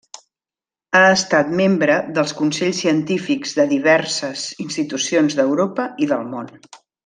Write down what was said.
Ha estat membre dels consells científics de diverses institucions d'Europa i del món.